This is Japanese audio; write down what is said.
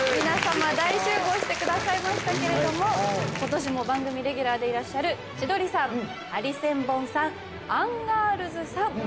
皆さま大集合してくださいましたけれども今年も番組レギュラーでいらっしゃる千鳥さんハリセンボンさん